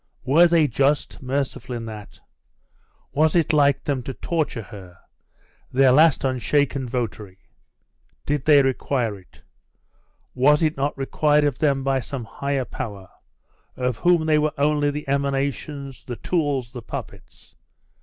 Were they just, merciful in that? Was it like them, to torture her, their last unshaken votary? Did they require it? Was it not required of them by some higher power, of whom they were only the emanations, the tools, the puppets?